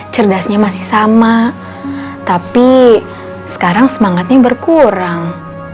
cerdasnya masih sama tapi sekarang semangatnya berkurang